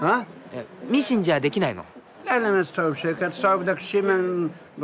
ミシンじゃできないの？